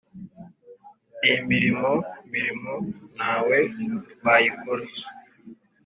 iyimirimo mirimo nawe wayikora